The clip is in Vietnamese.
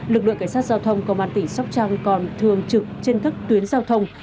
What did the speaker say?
lực lượng cảnh sát giao thông công an tỉnh sóc trăng còn thường trực trên các tuyến giao thông